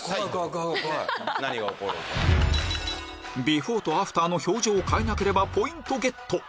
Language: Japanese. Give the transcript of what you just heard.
ビフォーとアフターの表情を変えなければポイントゲット